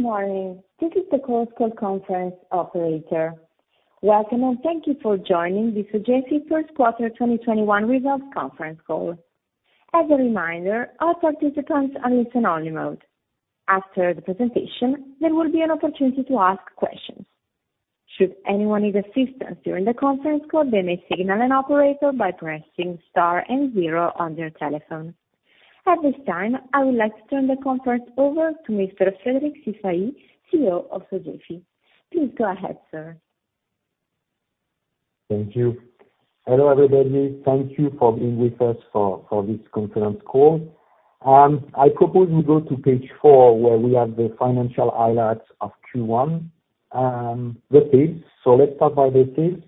Morning. This is the Chorus Call conference operator. Welcome, thank you for joining the Sogefi Q1 2021 results conference call. As a reminder, all participants are in listen-only mode. After the presentation, there will be an opportunity to ask questions. Should anyone need assistance during the conference call, they may signal an operator by pressing Star and zero on their telephone. At this time, I would like to turn the conference over to Mr. Frédéric Brival, CEO of Sogefi. Please go ahead, sir. Thank you. Hello, everybody. Thank you for being with us for this conference call. I propose we go to page four, where we have the financial highlights of Q1. The sales. Let's start by the sales.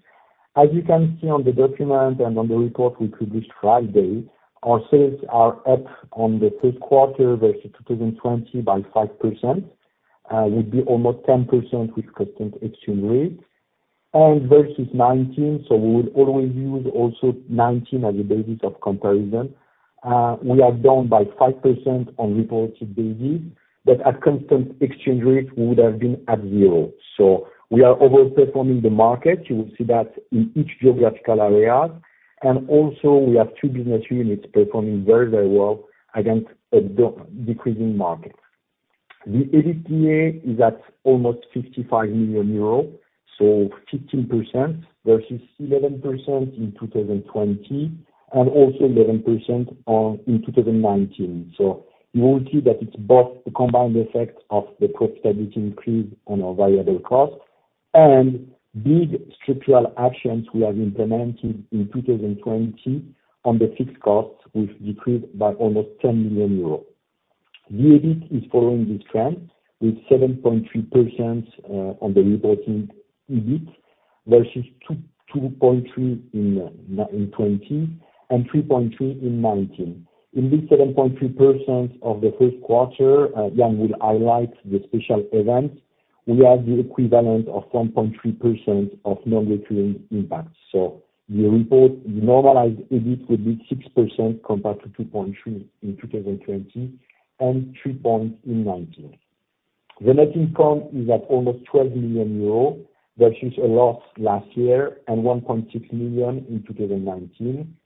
As you can see on the document and on the report we published Friday, our sales are up on the Q1 versus 2020 by 5%, will be almost 10% with constant exchange rates and versus 2019. We will always use also 2019 as a basis of comparison. We are down by 5% on reported basis, but at constant exchange rate, we would have been at zero. We are over-performing the market. You will see that in each geographical area. Also we have two business units performing very well against a decreasing market. The EBITDA is at almost 55 million euros, 15% versus 11% in 2020 and also 11% in 2019. You will see that it's both the combined effect of the profitability increase on our variable cost and big structural actions we have implemented in 2020 on the fixed costs, which decreased by almost 10 million euros. The EBIT is following this trend with 7.3% on the reported EBIT versus 2.3% in 2020 and 3.3% in 2019. In this 7.3% of the Q1, again, we'll highlight the special events. We have the equivalent of 1.3% of non-recurring impact. The report, the normalized EBIT, will be 6% compared to 2.3% in 2020 and 3% in 2019. The net income is at almost 12 million euro versus a loss last year and 1.6 million in 2019.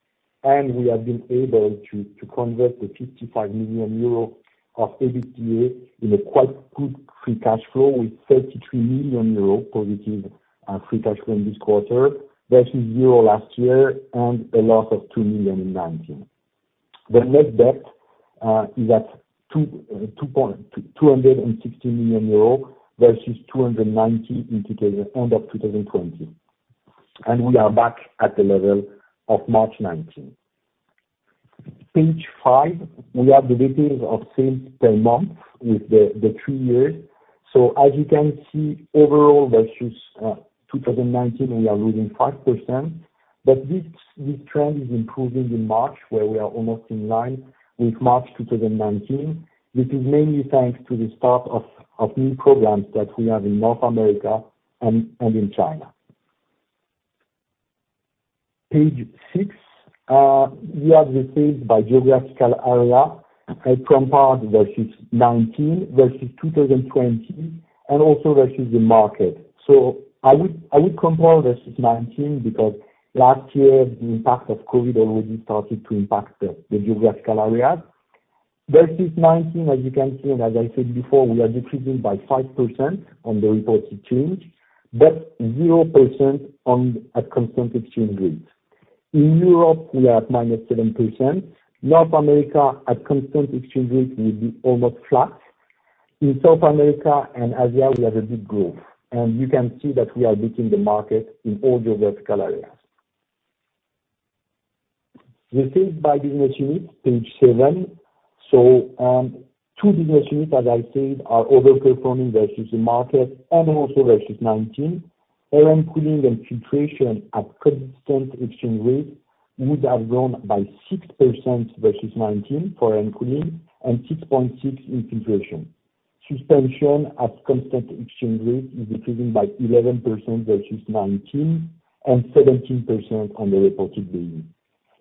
We have been able to convert the 55 million euro of EBITDA in a quite good free cash flow with 33 million euro positive free cash flow in this quarter versus 0 last year and a loss of 2 million in 2019. The net debt is at 260 million euro versus 290 million end of 2020. We are back at the level of March 2019. Page five, we have the details of sales per month with the three years. As you can see, overall versus 2019, we are losing 5%, but this trend is improving in March, where we are almost in line with March 2019. This is mainly thanks to the start of new programs that we have in North America and in China. Page six, we have the sales by geographical area compared versus 2019, versus 2020, and also versus the market. I would compare versus 2019 because last year the impact of COVID already started to impact the geographical areas. Versus 2019, as you can see, and as I said before, we are decreasing by 5% on the reported change, but 0% at constant exchange rate. In Europe, we are at minus 7%. North America at constant exchange rate will be almost flat. In South America and Asia, we have a big growth, and you can see that we are beating the market in all geographical areas. The sales by business unit, page seven. Two business units, as I said, are over-performing versus the market and also versus 2019. Air & Cooling and Filtration at constant exchange rates would have grown by 6% versus 2019 for Air & Cooling and 6.6 in Filtration. Suspension at constant exchange rate is decreasing by 11% versus 2019 and 17% on the reported basis.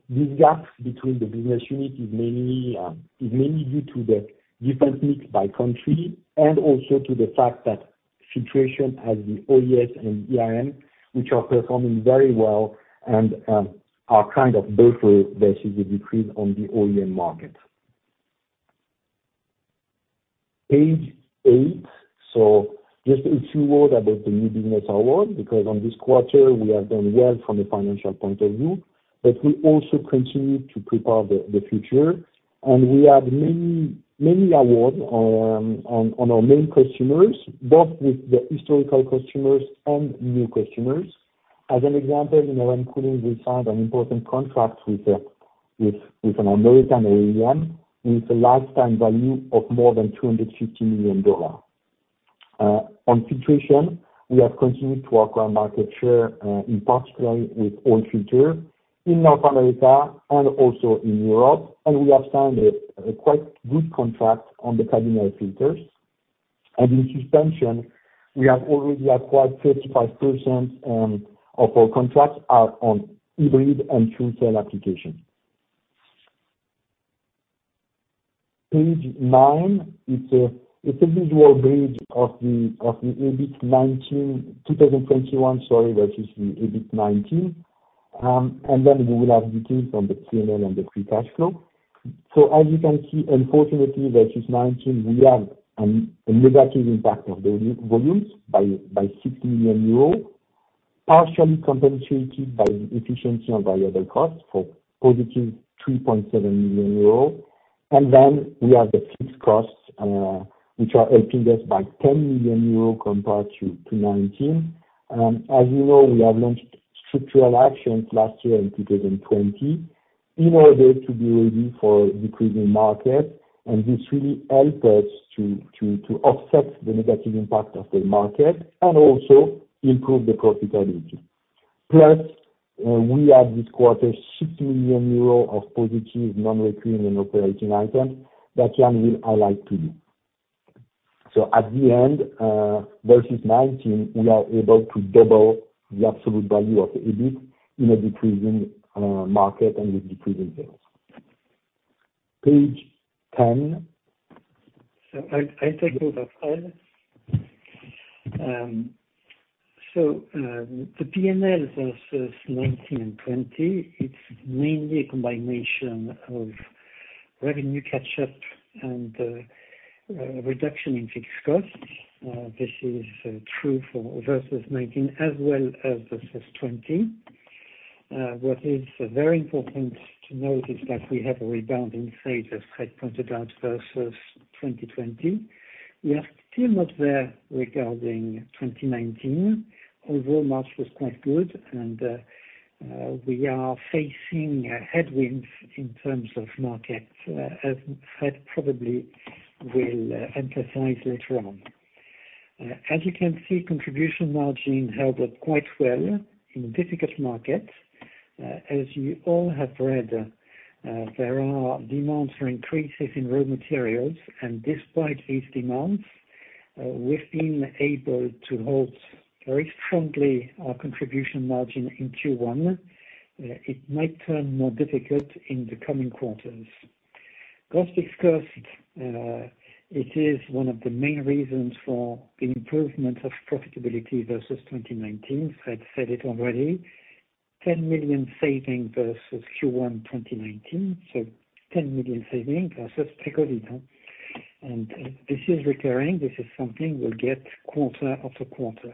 This gap between the business unit is mainly due to the different mix by country and also to the fact that filtration has the OES and IAM, which are performing very well and are kind of buffer versus the decrease on the OEM market. Page eight. Just a few words about the new business award, because on this quarter we have done well from a financial point of view, but we also continue to prepare the future. We have many award on our main customers, both with the historical customers and new customers. As an example, in Air & Cooling, we signed an important contract with an American OEM with a lifetime value of more than $250 million. On filtration, we have continued to acquire market share in parts line with oil filter in North America and also in Europe. We have signed a quite good contract on the cabin air filters. In suspension, we have already acquired 35% of our contracts are on hybrid and fuel cell applications. Page nine. It's a visual bridge of the EBIT 2021 versus the EBIT 2019. We will have details on the P&L and the free cash flow. As you can see, unfortunately, versus 2019, we have a negative impact of volumes by 60 million euros, partially compensated by the efficiency on variable costs for positive 3.7 million euros. We have the fixed costs, which are helping us by 10 million euros compared to 2019. As you know, we have launched structural actions last year in 2020 in order to be ready for decreasing market, and this really helped us to offset the negative impact of the market and also improve the profitability. We had this quarter, 6 million euros of positive non-recurring and operating items that Yann will highlight to you. At the end, versus 2019, we are able to double the absolute value of the EBIT in a decreasing market and with decreasing sales. Page 10. I take over from Fred. The P&L versus 2019 and 2020, it's mainly a combination of revenue catch-up and a reduction in fixed costs. This is true for versus 2019 as well as versus 2020. What is very important to note is that we have a rebound in sales, as Fred pointed out, versus 2020. We are still not there regarding 2019, although March was quite good, and we are facing headwinds in terms of market, as Fred probably will emphasize later on. As you can see, contribution margin held up quite well in a difficult market. As you all have read, there are demands for increases in raw materials, and despite these demands, we've been able to hold very strongly our contribution margin in Q1. It might turn more difficult in the coming quarters. Cost decreases, it is one of the main reasons for the improvement of profitability versus 2019. Fred said it already, 10 million savings versus Q1 2019, so 10 million savings versus pre-COVID. This is recurring, this is something we'll get quarter-after-quarter.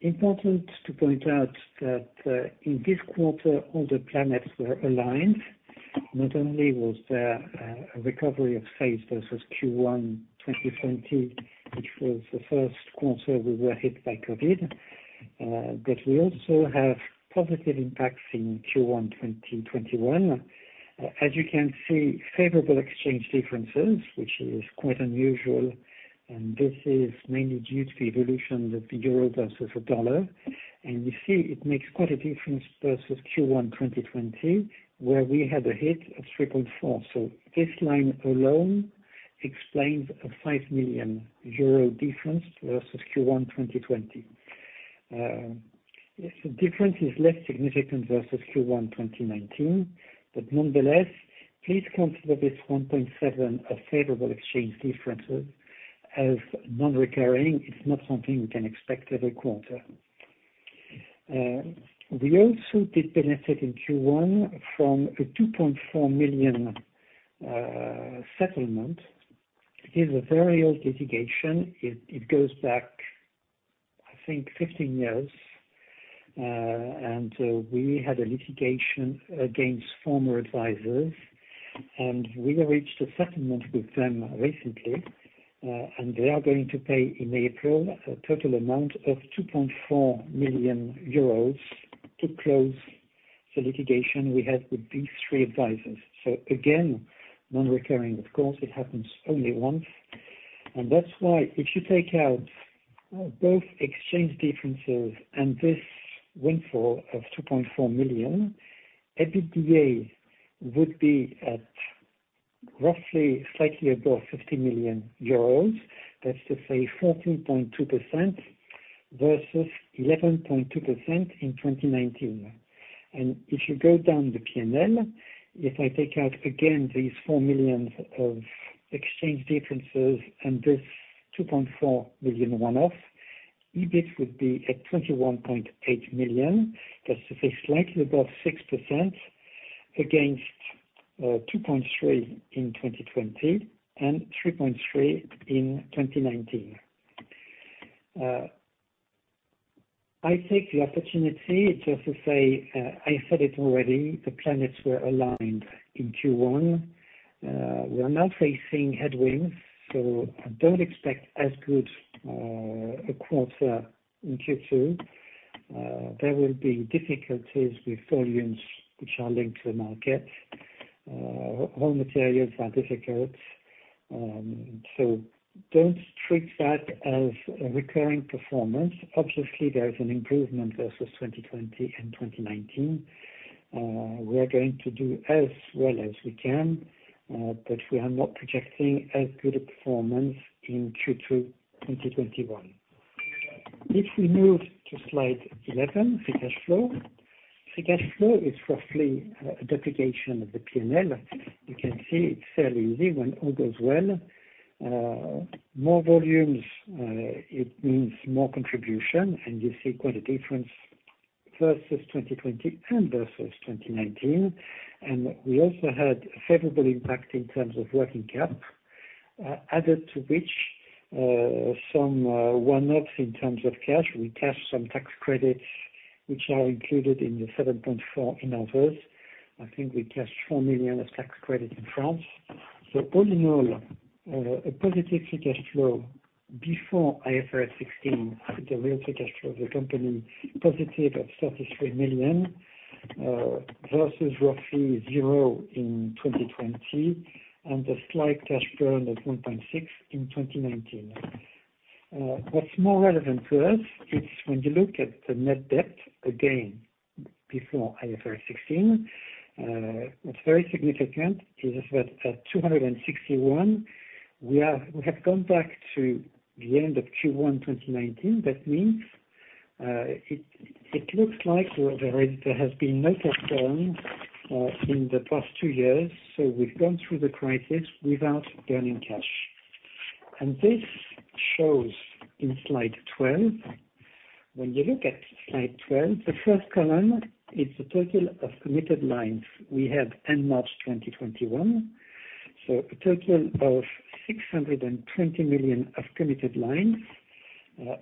Important to point out that in this quarter, all the planets were aligned. Not only was there a recovery of sales versus Q1 2020, which was the Q1 we were hit by COVID, but we also have positive impacts in Q1 2021. As you can see, favorable exchange differences, which is quite unusual, this is mainly due to the evolution of the euro versus the dollar. You see it makes quite a difference versus Q1 2020, where we had a hit of 3.4 million. This line alone explains a 5 million euro difference versus Q1 2020. The difference is less significant versus Q1 2019, nonetheless, please consider this 1.7 a favorable exchange differences as non-recurring. It's not something we can expect every quarter. We also did benefit in Q1 from a 2.4 million settlement. It is a very old litigation. It goes back, I think, 15 years. We had a litigation against former advisors, we have reached a settlement with them recently. They are going to pay in April a total amount of 2.4 million euros to close the litigation we had with these three advisors. Again, non-recurring, of course. It happens only once. That's why if you take out both exchange differences and this windfall of 2.4 million, EBITDA would be at roughly slightly above 50 million euros. That's to say, 14.2% versus 11.2% in 2019. If you go down the P&L, if I take out again these 4 million of exchange differences and this 2.4 million one-off, EBIT would be at 21.8 million. That's to say, slightly above 6% against 2.3% in 2020 and 3.3% in 2019. I take the opportunity just to say, I said it already, the planets were aligned in Q1. We are now facing headwinds, so don't expect as good a quarter in Q2. There will be difficulties with volumes which are linked to the market. Raw materials are difficult. Don't treat that as a recurring performance. Obviously, there is an improvement versus 2020 and 2019. We are going to do as well as we can, but we are not projecting as good a performance in Q2 2021. If we move to slide 11, free cash flow. Free cash flow is roughly a duplication of the P&L. You can see it's fairly easy when all goes well. More volumes, it means more contribution. You see quite a difference versus 2020 and versus 2019. We also had a favorable impact in terms of working cap, added to which some one-offs in terms of cash. We cashed some tax credits, which are included in the 7.4 in others. I think we cashed 4 million of tax credit in France. All in all, a positive free cash flow before IFRS 16, the real free cash flow of the company, positive at 33 million versus roughly zero in 2020, and a slight cash burn of 1.6 in 2019. What's more relevant to us, it's when you look at the net debt, again, before IFRS 16, it's very significant. It is at 261. We have gone back to the end of Q1 2019. That means it looks like there has been no cash burn in the past two years. We've gone through the crisis without burning cash. This shows in slide 12. When you look at slide 12, the first column is the total of committed lines we had end March 2021. A total of 620 million of committed lines.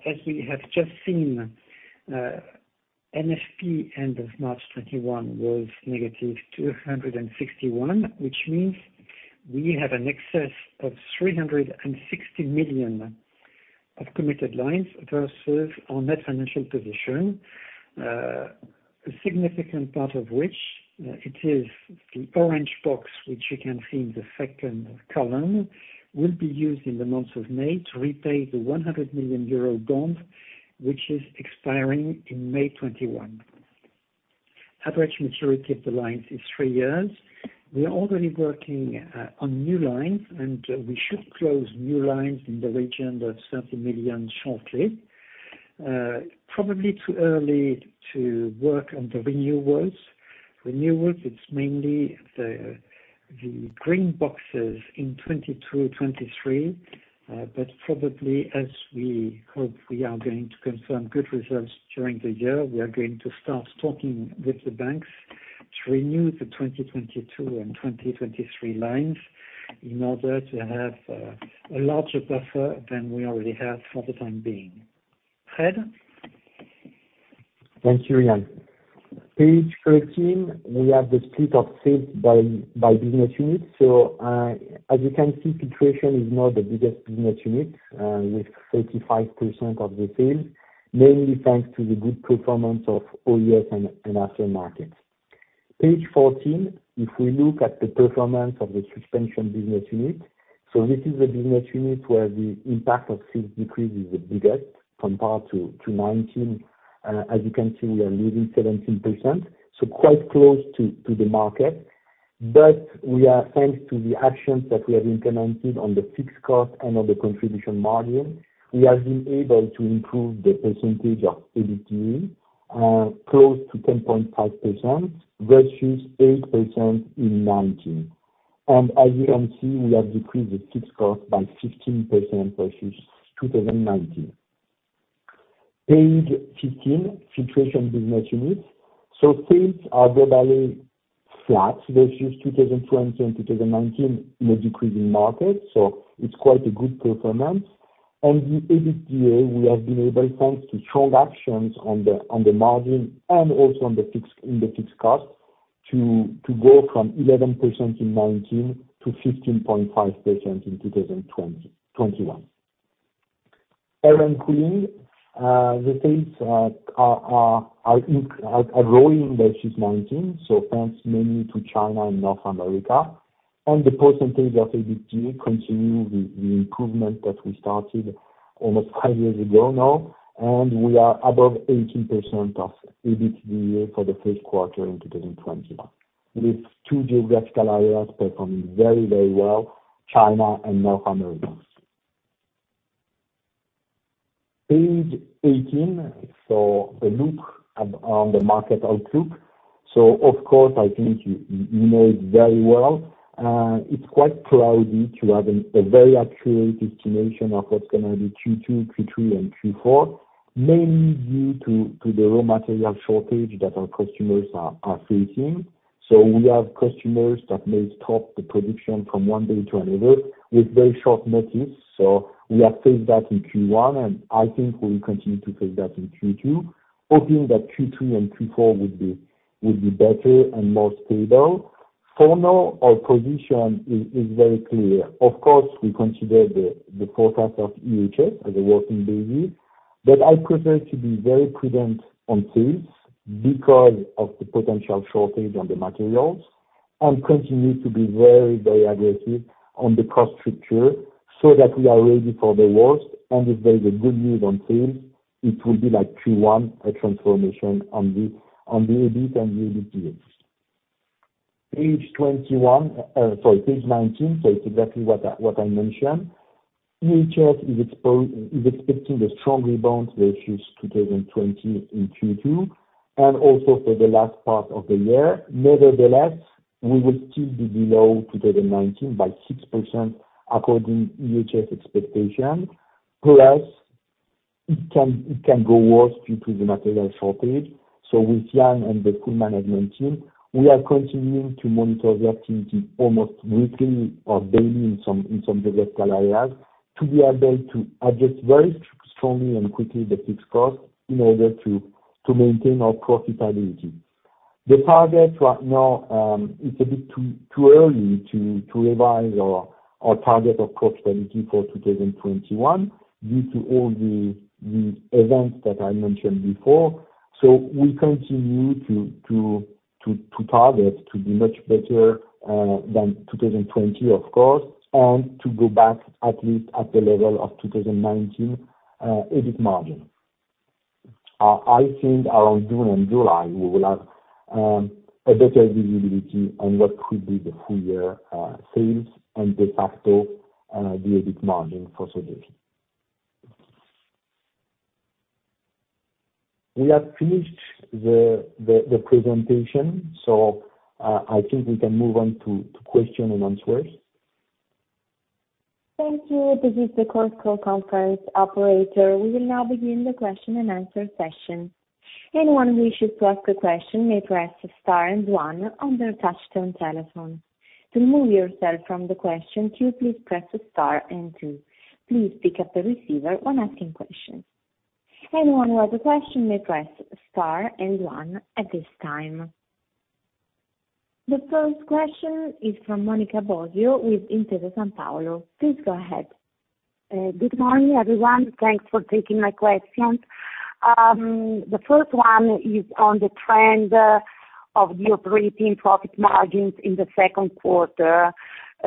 As we have just seen, NFP end of March 2021 was -261, which means we have an excess of 360 million of committed lines versus our net financial position. A significant part of which, it is the orange box which you can see in the second column, will be used in the month of May to repay the 100 million euro bond, which is expiring in May 2021. Average maturity of the lines is three years. We are already working on new lines. We should close new lines in the region of 30 million shortly. Probably too early to work on the renewals. Renewals, it's mainly the green boxes in 2022, 2023. Probably, as we hope we are going to confirm good results during the year, we are going to start talking with the banks to renew the 2022 and 2023 lines in order to have a larger buffer than we already have for the time being. Fred? Thank you, Yann. Page 13, we have the split of sales by business unit. As you can see, Filtration is now the biggest business unit, with 35% of the sales, mainly thanks to the good performance of OE and aftermarket. Page 14, if we look at the performance of the Suspension business unit, this is the business unit where the impact of sales decrease is the biggest compared to 2019. As you can see, we are losing 17%, quite close to the market. We are, thanks to the actions that we have implemented on the fixed cost and on the contribution margin, we have been able to improve the percentage of EBITDA, close to 10.5% versus 8% in 2019. As you can see, we have decreased the fixed cost by 15% versus 2019. Page 15, Filtration business unit. Sales are globally flat versus 2020 and 2019 in a decreasing market, it's quite a good performance. The EBITDA, we have been able, thanks to strong actions on the margin and also in the fixed cost, to go from 11% in 2019-15.5% in 2021. Air & Cooling, the sales are growing versus 2019, thanks mainly to China and North America. The percentage of EBITDA continue the improvement that we started almost five years ago now, and we are above 18% of EBITDA for the Q1 in 2021, with two geographical areas performing very well, China and North America. Page 18, a look on the market outlook. Of course, I think you know it very well. It's quite cloudy to have a very accurate estimation of what's going to be Q2, Q3, and Q4, mainly due to the raw material shortage that our customers are facing. We have customers that may stop the production from one day to another with very short notice. We have faced that in Q1, and I think we will continue to face that in Q2, hoping that Q3 and Q4 would be better and more stable. For now, our position is very clear. Of course, we consider the forecast of IHS as a working basis, but I prefer to be very prudent on sales because of the potential shortage on the materials and continue to be very aggressive on the cost structure so that we are ready for the worst. If there is a good news on sales, it will be like Q1, a transformation on the EBIT and the EBITDA. Page 19 says exactly what I mentioned. IHS is expecting a strong rebound versus 2020 in Q2, and also for the last part of the year. Nevertheless, we will still be below 2019 by 6%, according to IHS expectation. It can go worse due to the material shortage. With Yann and the full management team, we are continuing to monitor the activity almost weekly or daily in some vertical areas, to be able to adjust very strongly and quickly the fixed costs in order to maintain our profitability. The target right now, it's a bit too early to revise our target of profitability for 2021 due to all the events that I mentioned before. We continue to target to be much better than 2020, of course, and to go back at least at the level of 2019 EBIT margin. I think around June and July, we will have a better visibility on what will be the full-year sales and de facto the EBIT margin for Sogefi. We have finished the presentation, I think we can move on to question and answers. Thank you. This is the close call conference operator. We will now begin the question-and-answer session. Anyone who wish to ask a question may press the star one on their touch-tone telephone. To remove yourself from the question queue, please press the star and two. Please pick up the receiver when asking questions. Anyone who wish to ask a question, press star and one at this time. The first question is from Monica Bosio with Intesa Sanpaolo. Please go ahead. Good morning, everyone. Thanks for taking my questions. The first one is on the trend of the operating profit margins in the Q2.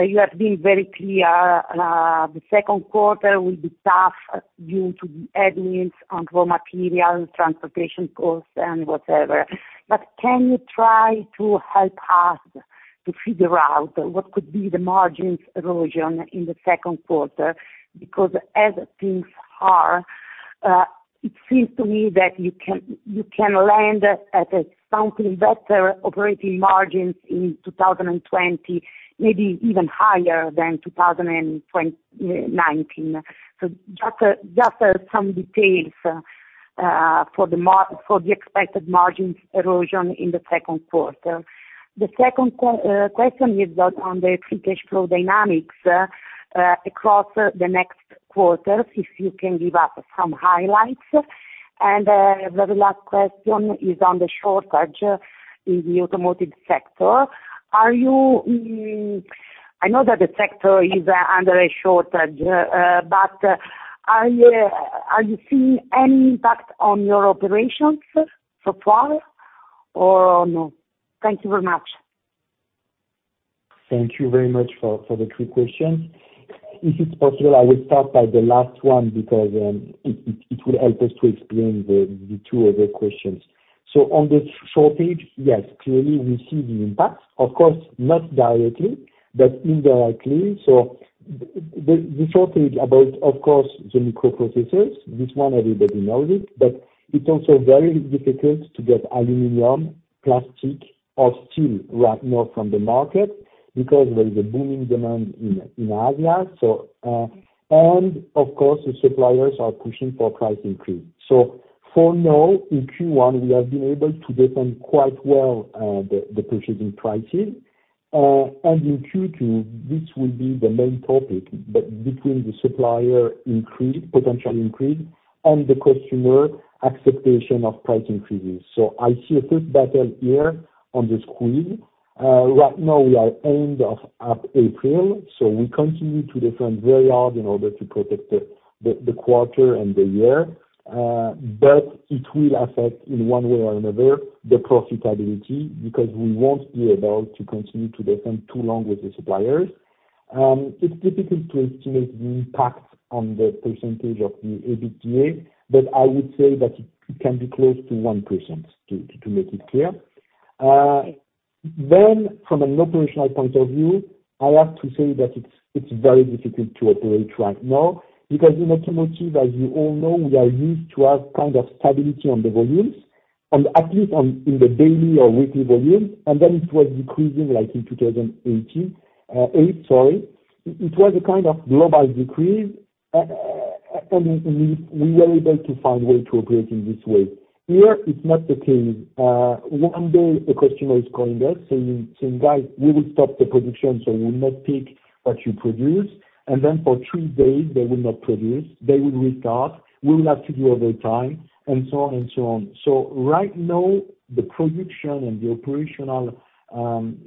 You have been very clear. The Q2 will be tough due to headwinds on raw material, transportation costs, and whatever. Can you try to help us to figure out what could be the margins erosion in the Q2? As things are, it seems to me that you can land at a slightly better operating margins in 2020, maybe even higher than 2019. Just some details for the expected margins erosion in the Q2. The second question is on the free cash flow dynamics across the next quarters, if you can give us some highlights. The very last question is on the shortage in the automotive sector. I know that the sector is under a shortage, but are you seeing any impact on your operations so far, or no? Thank you very much. Thank you very much for the three questions. If it's possible, I will start by the last one because it will help us to explain the two other questions. On the shortage, yes, clearly we see the impact, of course, not directly, but indirectly. The shortage about, of course, the microprocessors. This one, everybody knows it, but it's also very difficult to get aluminum, plastic or steel right now from the market because there is a booming demand in Asia. Of course, the suppliers are pushing for price increase. For now, in Q1, we have been able to defend quite well the purchasing prices. In Q2, this will be the main topic, but between the supplier potential increase and the customer acceptation of price increases. I see a tough battle here on the squeeze. Right now we are end of April, we continue to defend very hard in order to protect the quarter and the year. It will affect, in one way or another, the profitability because we won't be able to continue to defend too long with the suppliers. It's difficult to estimate the impact on the percentage of the EBITDA, but I would say that it can be close to 1%, to make it clear. From an operational point of view, I have to say that it's very difficult to operate right now because in automotive, as you all know, we are used to have kind of stability on the volumes and at least in the daily or weekly volumes, and then it was decreasing like in 2008. It was a kind of global decrease, we were able to find way to operate in this way. Here, it's not the case. One day the customer is calling us saying, "Guys, we will stop the production, so we will not pick what you produce." Then for three days they will not produce. They will restart. We will have to do overtime and so on. Right now the production and the operational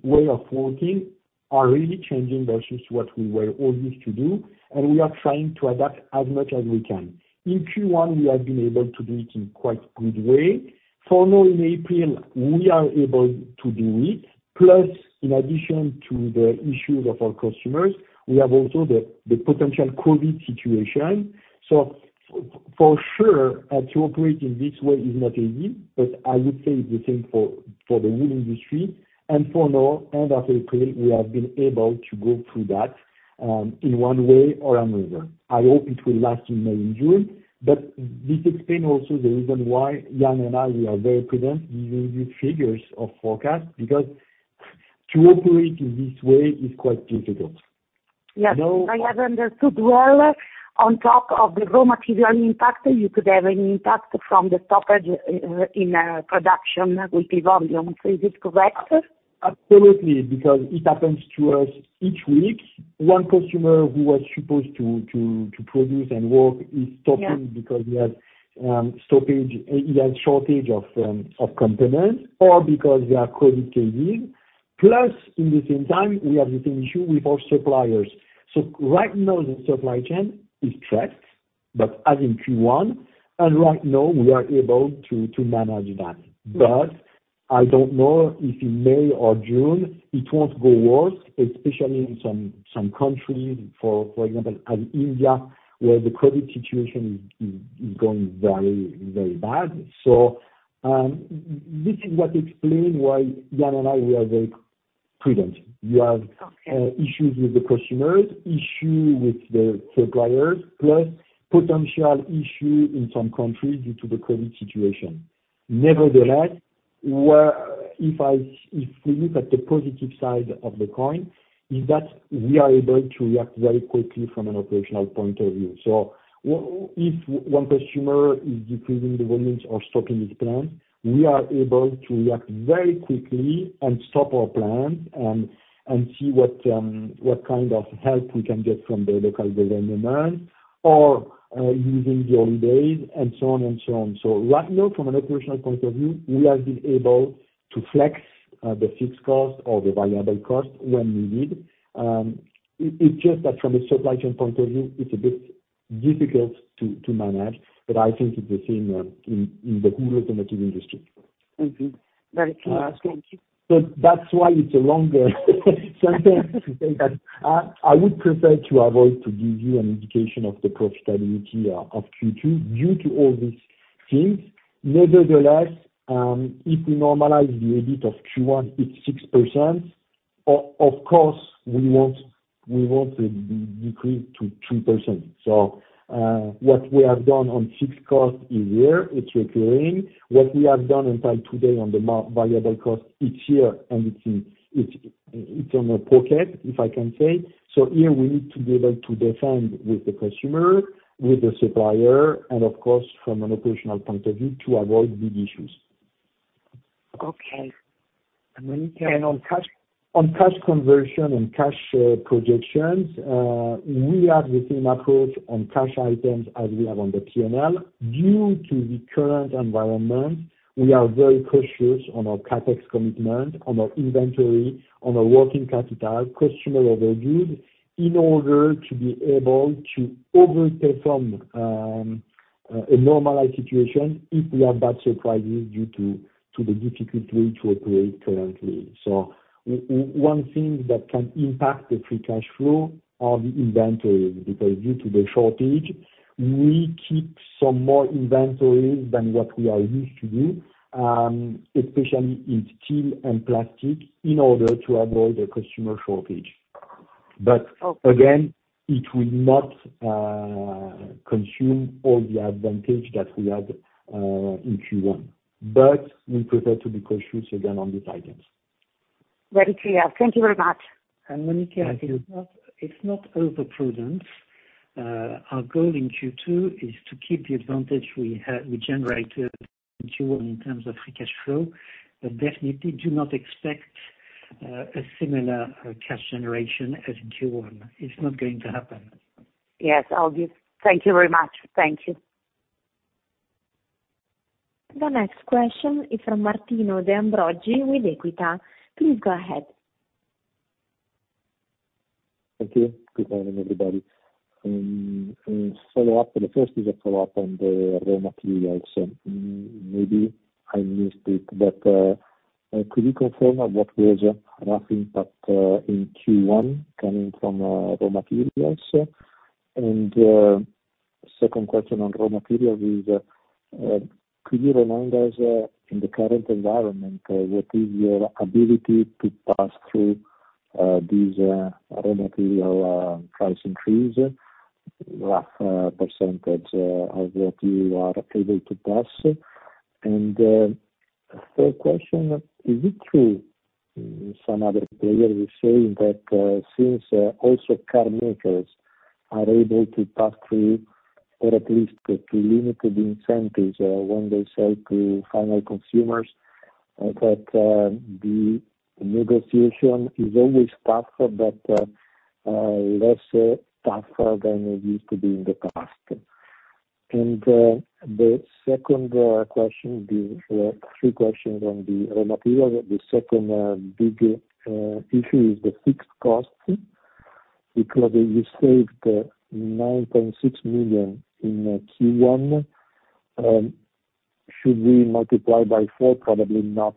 way of working are really changing versus what we were all used to do, and we are trying to adapt as much as we can. In Q1 we have been able to do it in quite good way. For now in April, we are able to do it. Plus, in addition to the issues of our customers, we have also the potential COVID situation. For sure, to operate in this way is not easy, but I would say the same for the whole industry. For now, end of April, we have been able to go through that in one way or another. I hope it will last in May and June. This explain also the reason why Yann and I, we are very present giving you figures of forecast because to operate in this way is quite difficult. Yes. I have understood well, on top of the raw material impact, you could have an impact from the stoppage in production with the volume. Is this correct? Absolutely, because it happens to us each week. One customer who was supposed to produce and work is stopping because he had shortage of components or because they are COVID-19. In the same time, we have the same issue with our suppliers. Right now, the supply chain is stressed, but as in Q1, and right now we are able to manage that. I don't know if in May or June it won't go worse, especially in some countries, for example, as India, where the COVID situation is going very bad. This is what explain why Yann and I, we are very prudent. You have issues with the customers, issue with the suppliers, plus potential issue in some countries due to the COVID situation. Nevertheless, if we look at the positive side of the coin, is that we are able to react very quickly from an operational point of view. If one customer is decreasing the volumes or stopping his plant, we are able to react very quickly and stop our plant and see what kind of help we can get from the local government or using the holidays and so on. Right now, from an operational point of view, we have been able to flex the fixed cost or the variable cost when we need. It's just that from a supply chain point of view, it's a bit difficult to manage, but I think it's the same in the whole automotive industry. Mm-hmm. Very clear. Thank you. That's why it's a longer sentence to say that I would prefer to avoid to give you an indication of the profitability of Q2 due to all these things. Nevertheless, if we normalize the EBIT of Q1, it's 6%. Of course, we want a decrease to 3%. What we have done on fixed cost is there, it's recurring. What we have done until today on the variable cost, it's here and it's in a pocket, if I can say. Here we need to be able to defend with the consumer, with the supplier, and of course, from an operational point of view, to avoid big issues. Okay. On cash conversion and cash projections, we have the same approach on cash items as we have on the P&L. Due to the current environment, we are very cautious on our CapEx commitment, on our inventory, on our working capital, customer overdue, in order to be able to over-perform a normalized situation if we have bad surprises due to the difficult way to operate currently. One thing that can impact the free cash flow are the inventories, because due to the shortage, we keep some more inventories than what we are used to do, especially in steel and plastic, in order to avoid a customer shortage. Again, it will not consume all the advantage that we had in Q1. We prefer to be cautious again on these items. Very clear. Thank you very much. Monica, it's not overprudence. Our goal in Q2 is to keep the advantage we generated in Q1 in terms of free cash flow. Definitely do not expect a similar cash generation as in Q1. It's not going to happen. Yes, I'll give. Thank you very much. Thank you. The next question is from Martino De Ambroggi with Equita. Please go ahead. Thank you. Good morning, everybody. The first is a follow-up on the raw materials. Maybe I missed it, could you confirm what was a rough impact in Q1 coming from raw materials? Second question on raw material is, could you remind us, in the current environment, what is your ability to pass through these raw material price increase, rough percentage of what you are able to pass? Third question, is it true some other player is saying that since also car makers are able to pass through or at least to limit the incentives when they sell to final consumers, that the negotiation is always tougher but less tougher than it used to be in the past. The three questions on the raw material. The second big issue is the fixed cost, because you saved 9.6 million in Q1. Should we multiply by four? Probably not.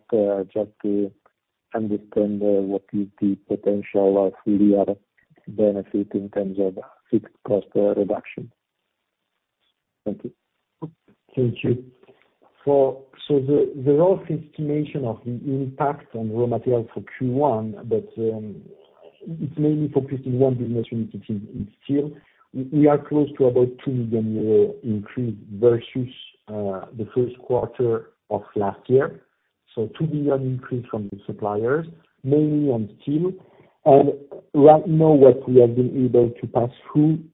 Just to understand what is the potential full year benefit in terms of fixed cost reduction. Thank you. Thank you. The rough estimation of the impact on raw material for Q1. It's mainly focused in one business unit, it's in steel. We are close to about 2 million euro increase versus the Q1 of last year. 2 million increase from the suppliers, mainly on steel. Right now what we have been able to pass through,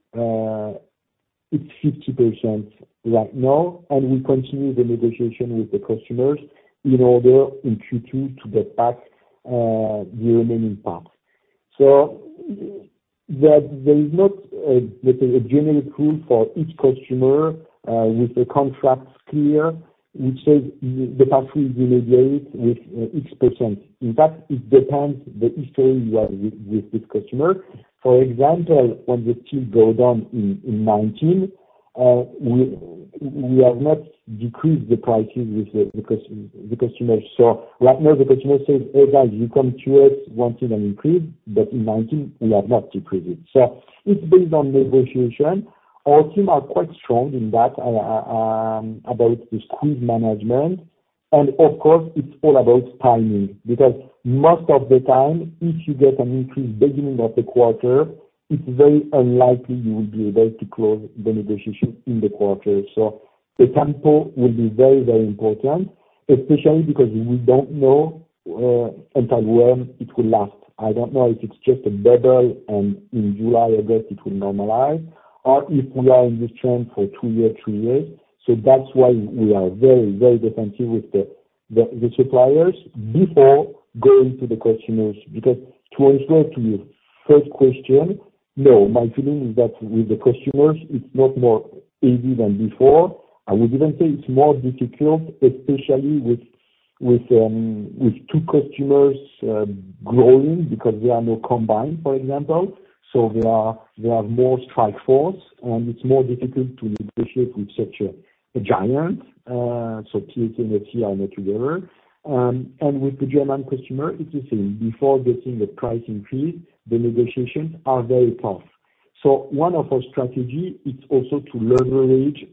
it's 50% right now, and we continue the negotiation with the customers in order, in Q2, to get back the remaining parts. There is not a general rule for each customer with the contracts clear, which says the pass-through will be made with X%. In fact, it depends the history you have with this customer. For example, when the steel go down in 2019, we have not decreased the prices with the customers. Right now, the customer says, "Hey, guys, you come to us wanting an increase," but in 19 we have not decreased it. It's based on negotiation. Our team are quite strong in that, about the squeeze management. Of course, it's all about timing, because most of the time, if you get an increase beginning of the quarter, it's very unlikely you will be able to close the negotiation in the quarter. The tempo will be very important, especially because we don't know until when it will last. I don't know if it's just a bubble and in July, August it will normalize, or if we are in this trend for two year, three years. That's why we are very defensive with the suppliers before going to the customers. Because to answer to your first question, no, my feeling is that with the customers, it's not more easy than before. I would even say it's more difficult, especially with two customers growing because they are now combined, for example. They have more strike force, and it's more difficult to negotiate with such a giant. PSA and FCA are now together. With the German customer, it's the same. Before getting the price increase, the negotiations are very tough. One of our strategy is also to leverage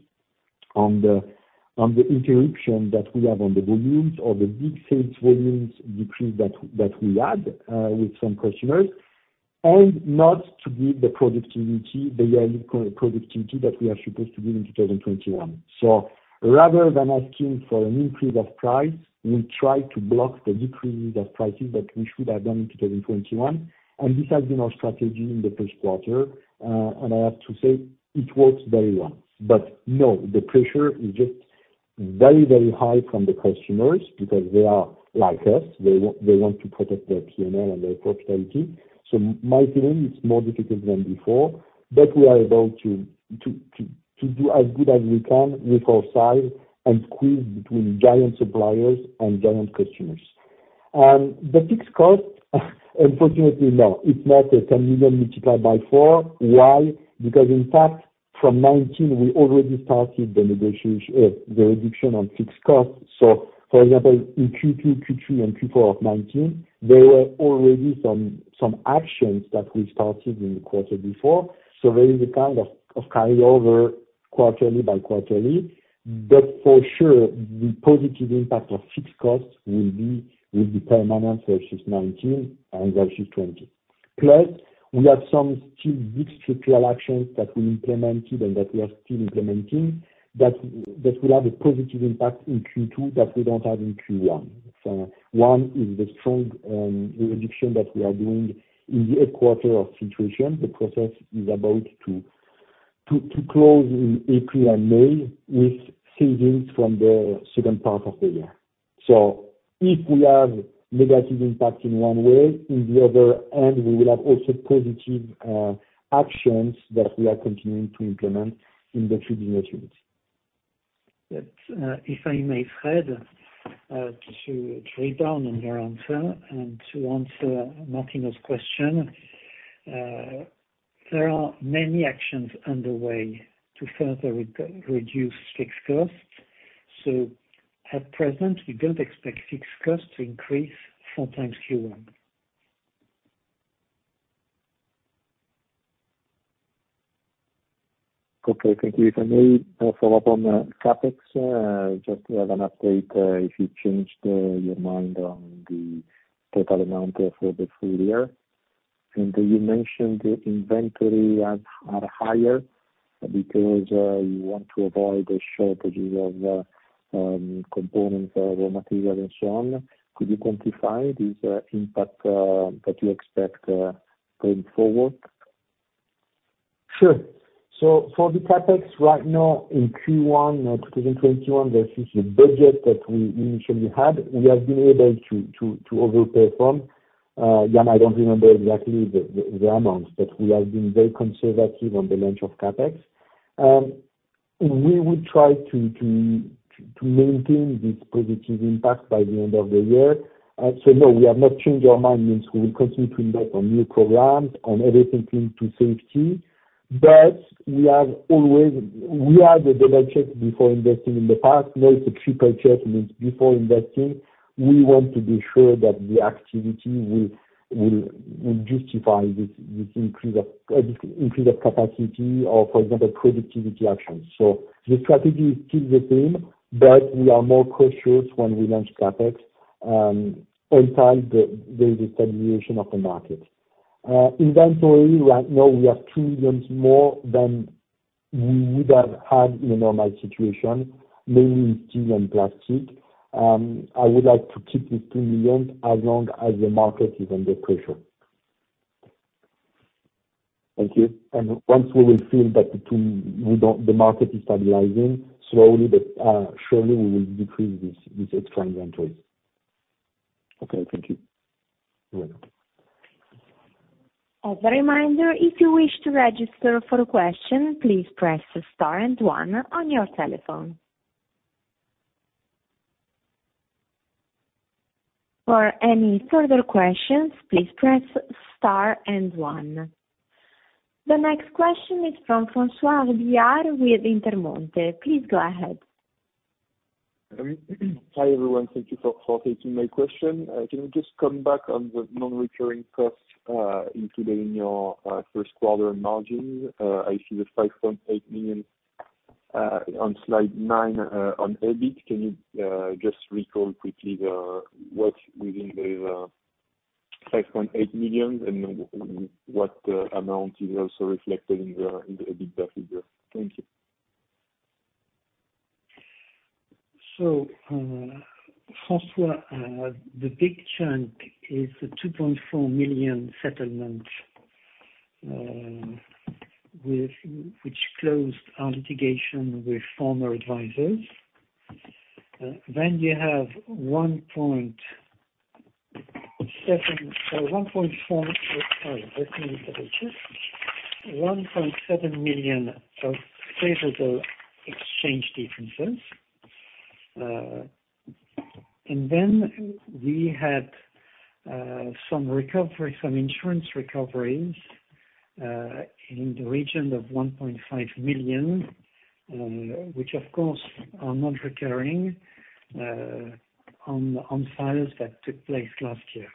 on the interruption that we have on the volumes or the big sales volumes decrease that we had with some customers, and not to give the productivity, the yearly productivity that we are supposed to give in 2021. Rather than asking for an increase of price, we will try to block the decreases of prices that we should have done in 2021. This has been our strategy in the Q1. I have to say it works very well. No, the pressure is just very high from the customers because they are like us. They want to protect their P&L and their profitability. My feeling, it's more difficult than before, but we are able to do as good as we can with our size and squeeze between giant suppliers and giant customers. The fixed cost, unfortunately, no, it's not a 10 million multiplied by four. Why? Because in fact, from 2019, we already started the reduction on fixed costs. For example, in Q2, Q3, and Q4 of 2019, there were already some actions that we started in the quarter before. There is a kind of carryover quarterly-by-quarterly. For sure, the positive impact of fixed costs will be permanent versus 2019 and versus 2020. Plus, we have some still big structural actions that we implemented and that we are still implementing that will have a positive impact in Q2 that we don't have in Q1. One is the strong reduction that we are doing in the Air & Cooling situation. The process is about to close in April and May with savings from the second part of the year. If we have negative impact in one way, in the other hand, we will have also positive actions that we are continuing to implement in the three initiatives. If I may, Frédéric, to drill down on your answer and to answer Martino De Ambroggi's question. There are many actions underway to further reduce fixed costs. At present, we don't expect fixed costs to increase 4x Q1. Okay. Thank you. If I may follow up on CapEx, just to have an update, if you changed your mind on the total amount for the full year. You mentioned inventory are higher because you want to avoid shortages of components, raw material, and so on. Could you quantify this impact that you expect going forward? Sure. For the CapEx right now in Q1 2021, versus the budget that we initially had, we have been able to over-perform. Again, I don't remember exactly the amounts, but we have been very conservative on the launch of CapEx. We will try to maintain this positive impact by the end of the year. No, we have not changed our mind. We will continue to invest on new programs, on everything linked to safety. We have the double-check before investing in the past. Now it's a triple-check before investing. We want to be sure that the activity will justify this increase of capacity or, for example, productivity actions. The strategy is still the same, but we are more cautious when we launch CapEx anytime there is a stagnation of the market. Inventory, right now we have 2 million more than we would have had in a normal situation, mainly steel and plastic. I would like to keep this 2 million as long as the market is under pressure. Thank you. Once we will feel that the market is stabilizing, slowly but surely, we will decrease these extra inventories. Okay. Thank you. You're welcome. As a reminder, if you wish to register for a question, please press Star and one on your telephone. For any further questions, please press Star and one. The next question is from François Billard with Intermonte. Please go ahead. Hi, everyone. Thank you for taking my question. Can you just come back on the non-recurring costs, including your Q1 margins? I see the 5.8 million, on slide nine, on EBIT. Can you just recall quickly what's within the 5.8 million and what amount is also reflected in the EBITDA figure? Thank you. François, the big chunk is the 2.4 million settlement, which closed our litigation with former advisors. You have EUR 1.7 million of favorable exchange differences. We had some insurance recoveries, in the region of 1.5 million, which of course, are not recurring, on files that took place last year.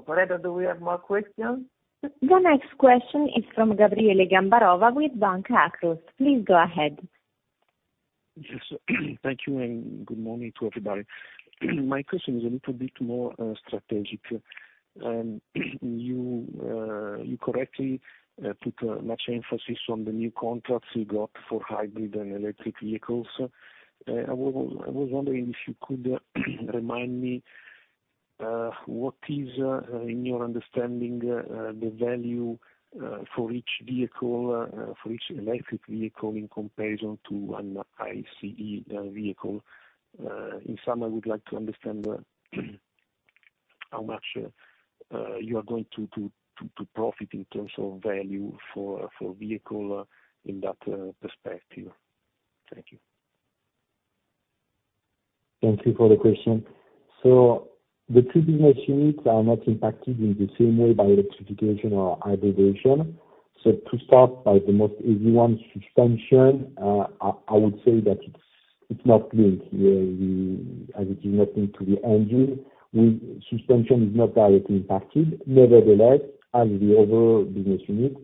Thank you. Operator, do we have more questions? The next question is from Gabriele Gambarova with Banca Akros. Please go ahead. Yes, thank you. Good morning to everybody. My question is a little bit more strategic. You correctly put much emphasis on the new contracts you got for hybrid and electric vehicles. I was wondering if you could remind me, what is, in your understanding, the value for each electric vehicle in comparison to an ICE vehicle? I would like to understand how much you are going to profit in terms of value for vehicle in that perspective. Thank you. Thank you for the question. The two business units are not impacted in the same way by electrification or hybridization. To start by the most easy one, suspension, I would say that it's not linked. As it is not linked to the engine, suspension is not directly impacted. Nevertheless, as the other business unit,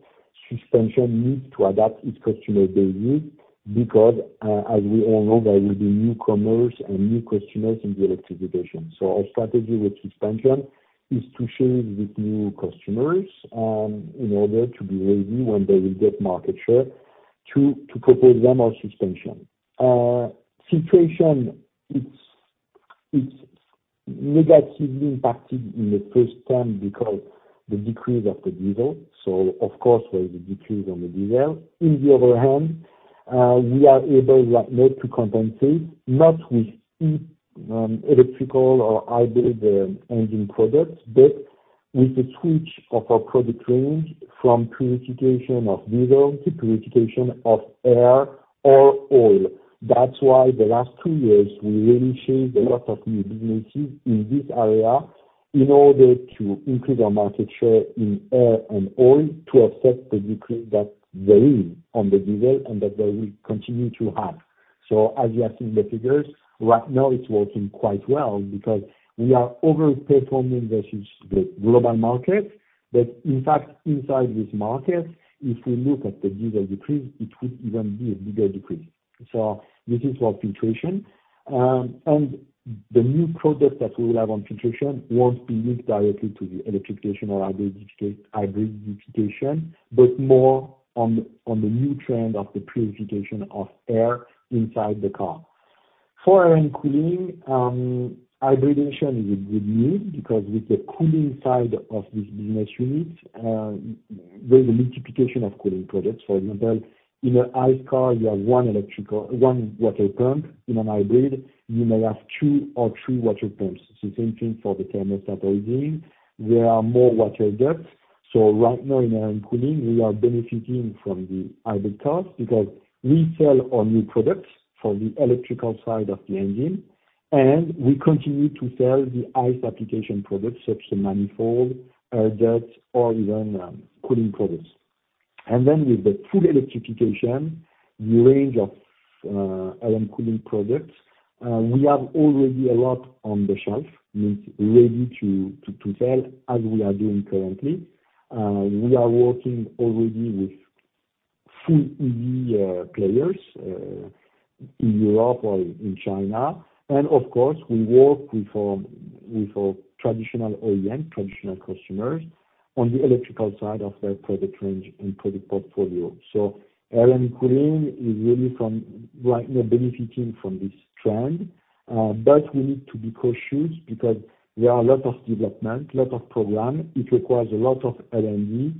suspension needs to adapt its customer daily because, as we all know, there will be newcomers and new customers in the electrification. Our strategy with suspension is to share with new customers in order to be ready when they will get market share to propose them our suspension. Filtration, it's negatively impacted in the first term because the decrease of the diesel. Of course, there is a decrease on the diesel. On the other hand, we are able right now to compensate not with electrical or hybrid engine products, but with the switch of our product range from purification of diesel to purification of air or oil. The last two years, we really changed a lot of new businesses in this area in order to increase our market share in air and oil to offset the decrease that there is on the diesel and that they will continue to have. As you have seen the figures, right now it's working quite well because we are overperforming versus the global market. In fact, inside this market, if we look at the diesel decrease, it would even be a bigger decrease. This is for filtration. The new product that we will have on filtration won't be linked directly to the electrification or hybridization, but more on the new trend of the purification of air inside the car. For Air & Cooling, hybridization is a good news because with the cooling side of this business unit, there is a multiplication of cooling products. For example, in an ICE car, you have one water pump. In an hybrid, you may have two or three water pumps. It's the same thing for the thermostat housing. There are more water jackets. Right now in Air & Cooling, we are benefiting from the hybrid cars because we sell our new products for the electrical side of the engine. We continue to sell the ICE application products, such as manifold, adapters, or even cooling products. With the full electrification range of Air & Cooling products, we have already a lot on the shelf, means ready to sell as we are doing currently. We are working already with full EV players in Europe or in China. Of course, we work with our traditional OEM, traditional customers, on the electrical side of their product range and product portfolio. Air & Cooling is really right now benefiting from this trend. We need to be cautious because there are a lot of development, lot of program. It requires a lot of R&D,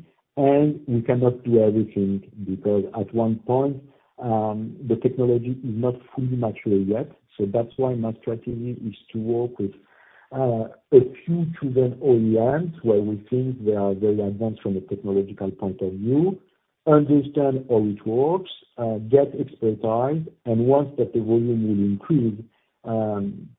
we cannot do everything because at one point, the technology is not fully mature yet. That's why my strategy is to work with a few chosen OEMs where we think they are very advanced from a technological point of view, understand how it works, get expertise, and once that the volume will increase,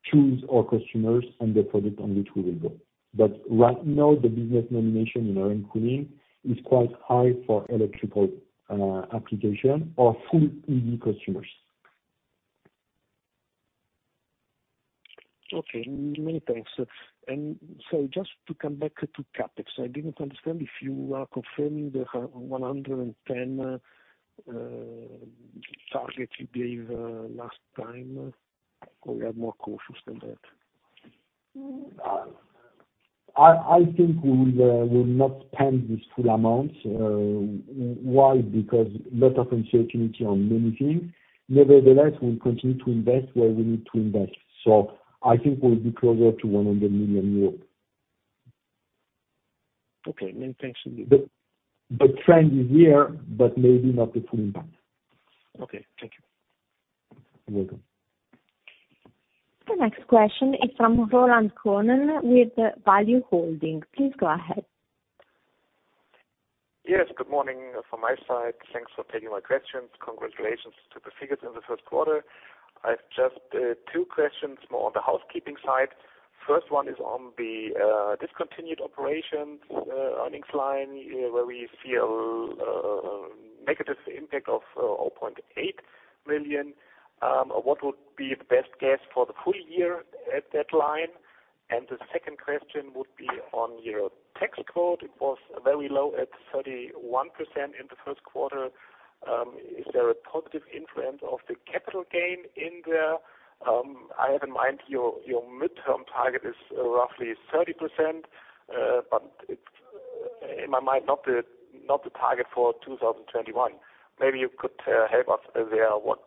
choose our customers and the product on which we will go. Right now the business nomination in Air & Cooling is quite high for electrical application or full EV customers. Okay. Many thanks. Just to come back to CapEx, I didn't understand if you are confirming the 110 target you gave last time, or we are more cautious than that? I think we will not spend this full amount. Why? Because a lot of uncertainty on many things. Nevertheless, we'll continue to invest where we need to invest. I think we'll be closer to 100 million euros. Okay, many thanks indeed. The trend is here, but maybe not the full impact. Okay. Thank you. You're welcome. The next question is from Roland Cronin with Value Holding. Please go ahead. Yes, good morning from my side. Thanks for taking my questions. Congratulations to the figures in the Q1. I have just two questions more on the housekeeping side. First one is on the discontinued operations earnings line, where we see a negative impact of 0.8 million. What would be the best guess for the full year at that line? The second question would be on your tax rate. It was very low at 31% in the Q1. Is there a positive influence of the capital gain in there? I have in mind your midterm target is roughly 30%, but in my mind, not the target for 2021. Maybe you could help us there, what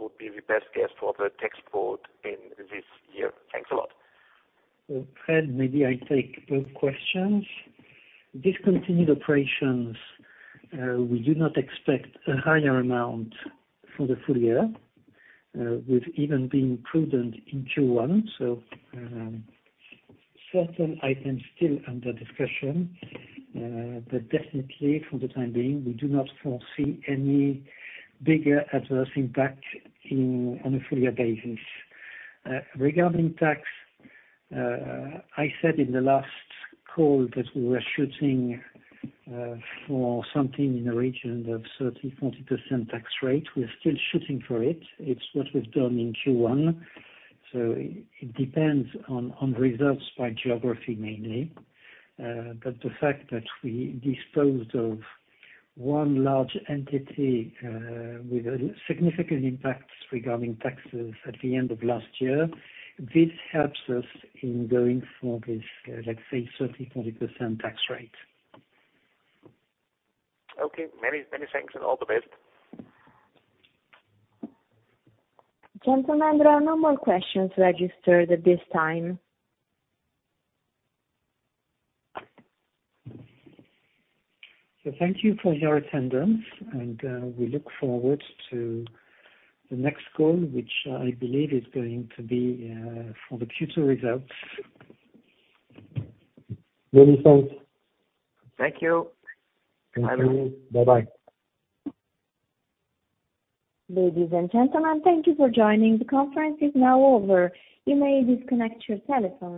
would be the best guess for the tax rate in this year? Thanks a lot. Frédéric, maybe I take both questions. Discontinued operations, we do not expect a higher amount for the full year. We've even been prudent in Q1. Certain items still under discussion. Definitely for the time being, we do not foresee any bigger adverse impact on a full year basis. Regarding tax, I said in the last call that we were shooting for something in the region of 30%-40% tax rate. We're still shooting for it. It's what we've done in Q1. It depends on results by geography mainly. The fact that we disposed of one large entity with a significant impact regarding taxes at the end of last year, this helps us in going for this, let's say, 30%-40% tax rate. Okay. Many thanks. All the best. Gentlemen, there are no more questions registered at this time. Thank you for your attendance, and we look forward to the next call, which I believe is going to be for the future results. Many thanks. Thank you. Thank you. Bye-bye. Ladies and gentlemen, thank you for joining. The conference is now over. You may disconnect your telephone.